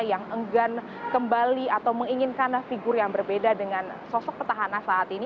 yang enggan kembali atau menginginkan figur yang berbeda dengan sosok petahana saat ini